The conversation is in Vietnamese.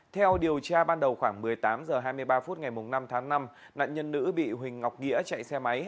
theo điều tra ban đầu khoảng một mươi tám h hai mươi ba phút ngày năm tháng năm nạn nhân nữ bị huỳnh ngọc nghĩa chạy xe máy